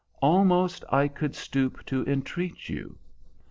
Almost I could stoop to entreat you.